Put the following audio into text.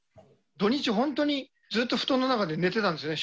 土日、本当にずっと布団の中で寝てたんですね。